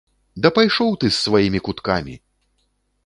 Да пайшоў ты з сваімі куткамі!